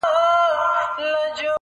پرېږده چي موږ په دې تیارو کي رڼا ولټوو-